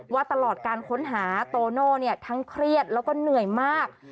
ว่าตลอดการค้นหาโตโน่ทั้งเครียดแล้วก็เหนื่อยมาก